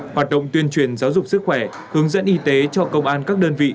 hoạt động tuyên truyền giáo dục sức khỏe hướng dẫn y tế cho công an các đơn vị